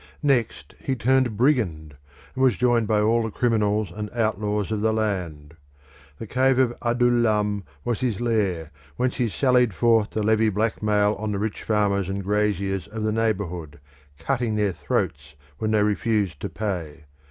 Next he turned brigand, and was joined by all the criminals and outlaws of the land. The cave of Adullam was his lair, whence he sallied forth to levy blackmail on the rich farmers and graziers of the neighbourhood, cutting their throats when they refused to pay.